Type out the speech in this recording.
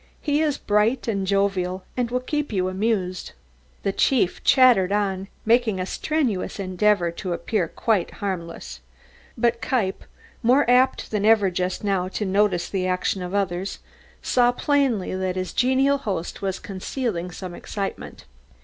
He is bright and jovial and will keep you amused." The chief chattered on, making a strenuous endeavour to appear quite harmless. But Kniepp, more apt than ever just now to notice the actions of others, saw plainly that his genial host was concealing some excitement.